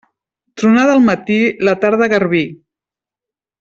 Tronada al matí, la tarda garbí.